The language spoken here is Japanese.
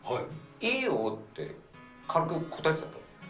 いいよって、軽く答えちゃったんです。